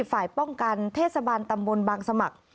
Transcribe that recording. ฝ่ายป้องกันเทศบาลตำบลบางสมัคร